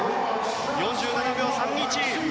４７秒３１！